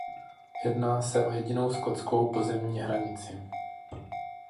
Jedná se o jedinou skotskou pozemní hranici.